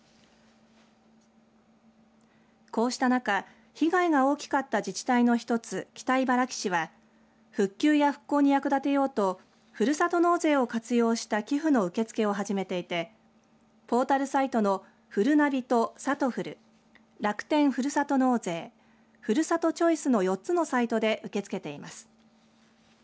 こうした中、被害が大きかった自治会の一つ北茨城市は復旧や復興に役立てようとふるさと納税を活用した寄付の受け付けを始めていてポータルサイトのふるなびと、さとふる楽天ふるさと納税ふるさとチョイスの４つのサイトで受け付けています。